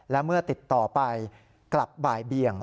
และเมื่อติดต่อไปกลับบ่ายเบียง